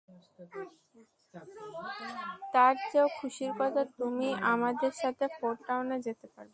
তার চেয়েও খুশির কথা, তুমি আমাদের সাথে ফোরটাউনে যেতে পারবে।